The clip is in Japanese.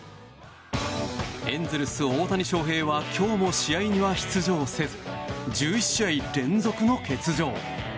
エンゼルスの大谷翔平は今日も試合には取材せず１１試合連続の欠場。